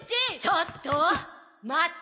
ちょっと待った！